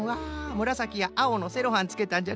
むらさきやあおのセロハンつけたんじゃね。